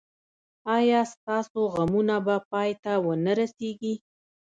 ایا ستاسو غمونه به پای ته و نه رسیږي؟